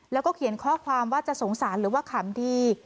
แล้วก็เขียนข้อความว่าจะสงสารหรือว่าขำดี